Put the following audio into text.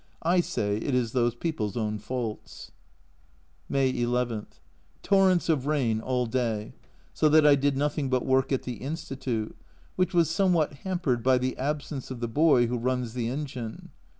I say it is those people's own faults. May II. Torrents of rain all day, so that I did nothing but work at the Institute which was some what hampered by the absence of the boy who runs the engine.